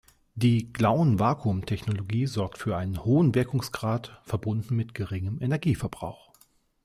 Die Klauen-Vakuumtechnologie sorgt für einen hohen Wirkungsgrad verbunden mit geringem Energieverbrauch.